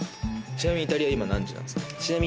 ちなみにイタリア、今何時なんですか？